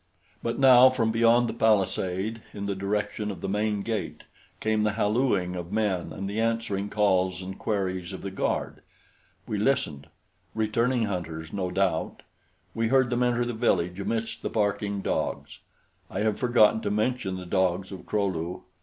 But now from beyond the palisade in the direction of the main gate came the hallooing of men and the answering calls and queries of the guard. We listened. Returning hunters, no doubt. We heard them enter the village amidst the barking dogs. I have forgotten to mention the dogs of Kro lu.